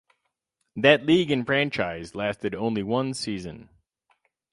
That league and franchise lasted only one season.